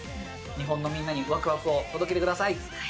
日本のみんなにわくわくを届けてください。